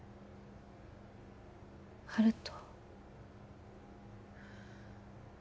温人